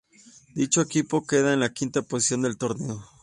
Dicho equipo quedó en la quinta posición del torneo.